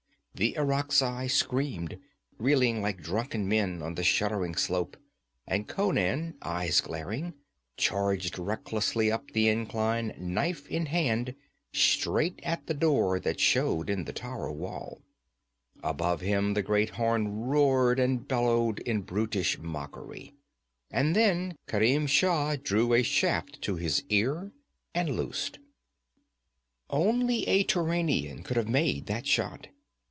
The Irakzai screamed, reeling like drunken men on the shuddering slope, and Conan, eyes glaring, charged recklessly up the incline, knife in hand, straight at the door that showed in the tower wall. Above him the great horn roared and bellowed in brutish mockery. And then Kerim Shah drew a shaft to his ear and loosed. Only a Turanian could have made that shot.